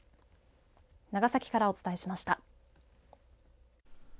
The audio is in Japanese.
長崎からお伝えしました。